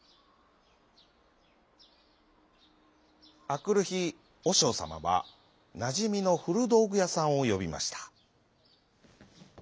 あくるひおしょうさまはなじみのふるどうぐやさんをよびました。